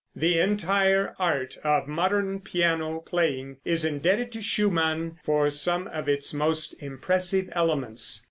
The entire art of modern piano playing is indebted to Schumann for some of its most impressive elements.